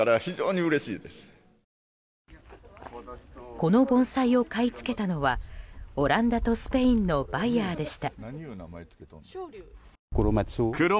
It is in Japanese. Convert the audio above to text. この盆栽を買い付けたのはオランダとスペインのバイヤーでした。